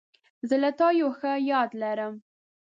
زه له تا یو ښه یاد لرم.